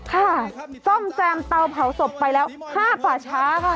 ค่ะซ่อมแซมเตาเผาศพไปแล้ว๕ป่าช้าค่ะ